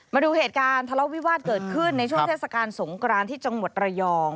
มาดูเหตุการณ์ทะเลาะวิวาสเกิดขึ้นในช่วงเทศกาลสงกรานที่จังหวัดระยอง